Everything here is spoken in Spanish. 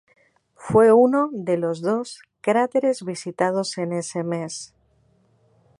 Fue uno de los dos cráteres visitados en ese mes.